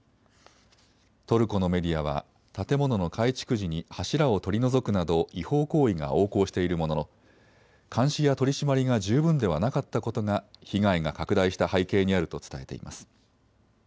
トルコのメディアは建物の改築時に柱を取り除くなど違法行為が横行しているものの監視や取締りが十分ではなかったことが被害が拡大した背景にあると伝えています。